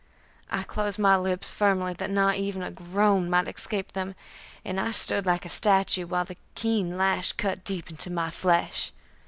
I closed my lips firmly, that not even a groan might escape from them, and I stood like a statue while the keen lash cut deep into my flesh.